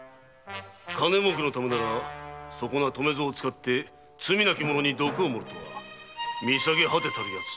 金もうけのためならそこな留造を使って罪なき者に毒を盛るとは見下げはてたヤツ！